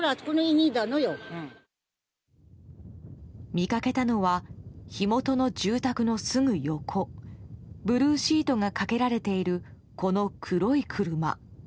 見かけたのは火元の住宅のすぐ横ブルーシートがかけられているこの黒い車。